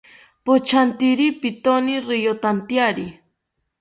Pochantiri pitoni riyotantyari